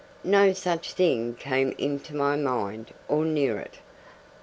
No such thing came into my mind, or near it.